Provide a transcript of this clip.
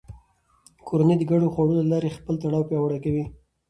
کورنۍ د ګډو خواړو له لارې خپل تړاو پیاوړی کوي